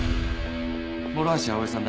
諸橋葵さんだね？